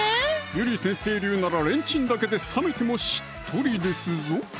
ゆり先生流ならレンチンだけで冷めてもしっとりですぞ！